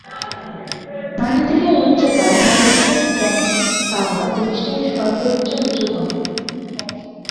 মাটি থেকে উচ্চতার মরিশাস ব্যাংক টাওয়ার দেশটির সর্বোচ্চ উচু ভবন।